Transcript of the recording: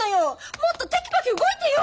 もっとテキパキ動いてよ！